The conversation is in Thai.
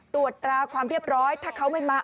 ตรวจตราความเรียบร้อยถ้าเขาไม่มา